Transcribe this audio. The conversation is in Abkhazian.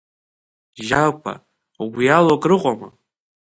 Жьакәа, угәы иалоу акыр ыҟоума?